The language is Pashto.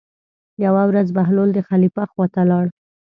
یوه ورځ بهلول د خلیفه خواته لاړ.